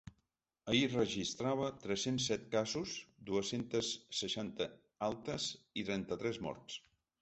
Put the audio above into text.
Ahir registrava tres-cents set casos, dues-centes seixanta altes i trenta-tres morts.